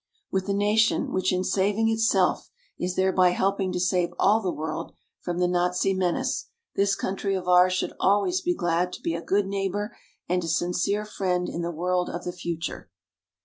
With a nation which in saving itself is thereby helping to save all the world from the Nazi menace, this country of ours should always be glad to be a good neighbor and a sincere friend in the world of the future.